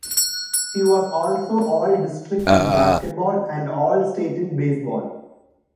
He was also All-District in basketball and All-State in baseball.